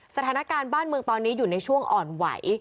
สถานการณ์บ้านเมืองตอนนี้อยู่ในช่วงอ่อนไหว